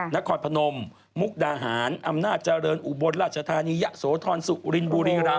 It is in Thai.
นครพนมมุกดาหารอำนาจเจริญอุบลราชธานียะโสธรสุรินบุรีรำ